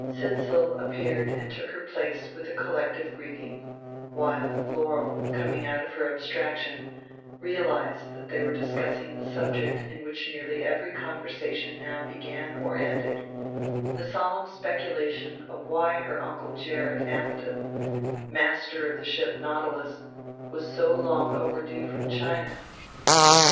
Sidsall appeared and took her place with a collective greeting; while Laurel, coming out of her abstraction, realized that they were discussing the subject in which nearly every conversation now began or ended the solemn speculation of why her Uncle Gerrit Ammidon, master of the ship Nautilus, was so long overdue from China.